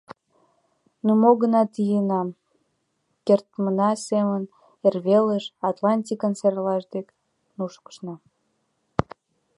Ну, мо-гынат ийына, кертмына семын эрвелыш, Атлантикын серлаж дек нушкына.